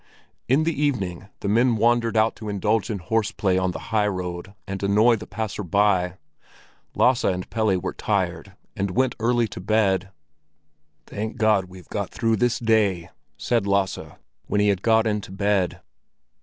In the evening the men wandered out to indulge in horse play on the high road and annoy the passersby. Lasse and Pelle were tired, and went early to bed. "Thank God we've got through this day!" said Lasse, when he had got into bed.